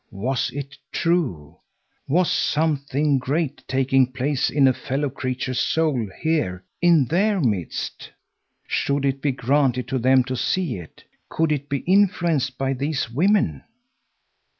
Was it true? Was something great taking place in a fellow creature's soul, here, in their midst? Should it be granted to them to see it? Could it be influenced by these women?